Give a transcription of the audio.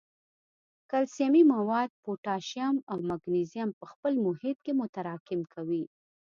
کلسیمي مواد، پوټاشیم او مګنیزیم په خپل محیط کې متراکم کوي.